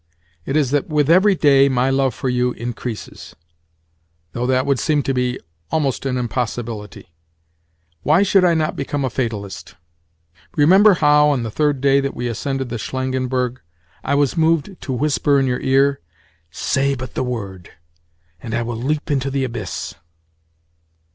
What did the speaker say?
It is that, with every day, my love for you increases—though that would seem to be almost an impossibility. Why should I not become a fatalist? Remember how, on the third day that we ascended the Shlangenberg, I was moved to whisper in your ear: 'Say but the word, and I will leap into the abyss.